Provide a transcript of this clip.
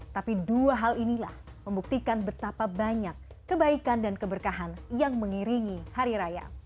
tapi dua hal inilah membuktikan betapa banyak kebaikan dan keberkahan yang mengiringi hari raya